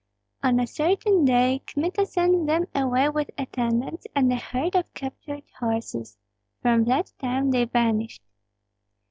On a certain day Kmita sent them away with attendants and a herd of captured horses; from that time they vanished.